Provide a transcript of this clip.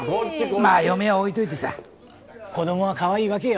まあ嫁は置いといてさ子どもはかわいいわけよ。